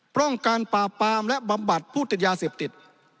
ป้องกันปราบปามและบำบัดผู้ติดยาเสพติด